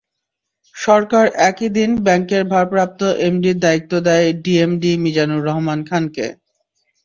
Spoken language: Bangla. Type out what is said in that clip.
সরকার একই দিন ব্যাংকের ভারপ্রাপ্ত এমডির দায়িত্ব দেয় ডিএমডি মিজানুর রহমান খানকে।